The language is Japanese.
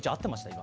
今。